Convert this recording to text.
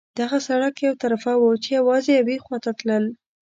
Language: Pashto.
دغه سړک یو طرفه وو، چې یوازې یوې خوا ته تلل.